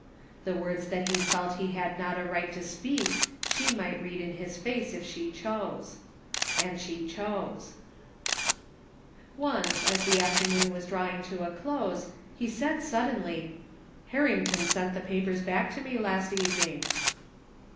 The words that he felt he 244 THE FINDING OF JASPER HOLT had not a right to speak she might read in his face if she chose. And she chose. Once, as the afternoon was drawing to a close, he said suddenly :" Harrington sent the papers back to me last evening."